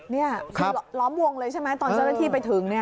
นี่คือล้อมวงเลยใช่ไหมตอนเจ้าหน้าที่ไปถึง